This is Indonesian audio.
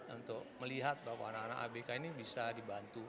untuk melihat bahwa anak anak abk ini bisa dibantu